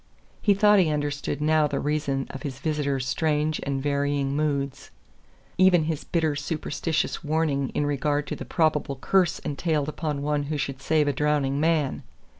He thought he understood now the reason of his visitor's strange and varying moods even his bitter superstitious warning in regard to the probable curse entailed upon one who should save a drowning man.